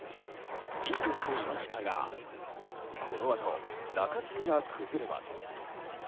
リードしていましたがこのあと、中継ぎが崩れます。